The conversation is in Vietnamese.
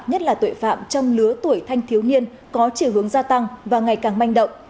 nhất là tội phạm trong lứa tuổi thanh thiếu niên có chiều hướng gia tăng và ngày càng manh động